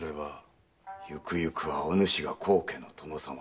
ゆくゆくはお主が高家の殿様。